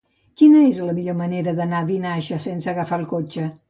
Quina és la millor manera d'anar a Vinaixa sense agafar el cotxe?